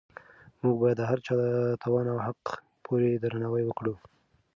موږ باید د هر چا د توان او حق پوره درناوی وکړو.